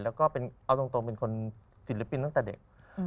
แล้วก็เอาตรงเป็นคนศิลปินตั้งแต่เด็ก